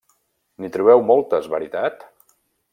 -N'hi trobeu moltes, veritat?